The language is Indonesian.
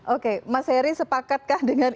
oke mas heri sepakatkah dengan